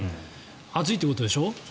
暑いということでしょ。